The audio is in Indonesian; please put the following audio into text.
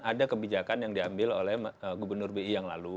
ada kebijakan yang diambil oleh gubernur bi yang lalu